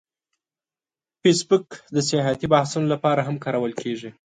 فېسبوک د سیاسي بحثونو لپاره هم کارول کېږي